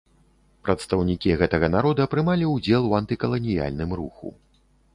Прадстаўнікі гэтага народа прымалі ўдзел у антыкаланіяльным руху.